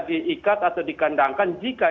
diikat atau dikandangkan jika